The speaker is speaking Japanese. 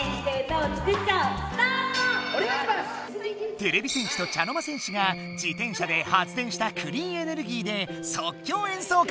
てれび戦士と茶の間戦士が自転車で発電したクリーンエネルギーで即興演奏会をひらいたよ！